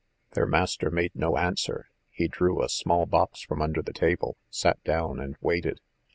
Their master made no answer. He drew a small box from under the table, sat down, and waited.